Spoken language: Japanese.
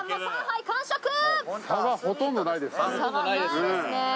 差がほとんどないですね。